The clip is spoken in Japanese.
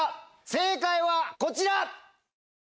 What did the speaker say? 正解はこちら！